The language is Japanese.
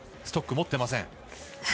ストック持っていません。